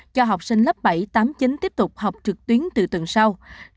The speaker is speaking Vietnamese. cho học sinh lớp bảy tám mươi chín tiếp tục học trực tuyến từ tuần sau